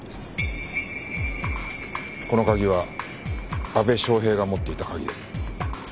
この鍵は阿部祥平が持っていた鍵です。